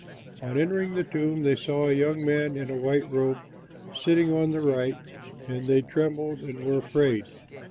On entering the tomb they saw a young man in a white robe sitting on the right, and they trembled and were afraid.